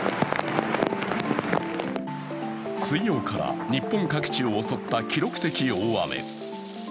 水曜から日本各地を襲った記録的大雨。